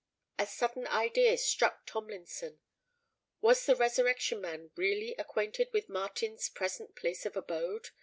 A sudden idea struck Tomlinson. Was the Resurrection Man really acquainted with Martin's present place of abode?